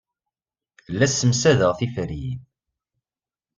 La ssemsadeɣ tiferyin.